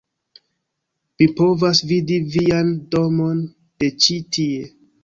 "mi povas vidi vian domon de ĉi-tie!"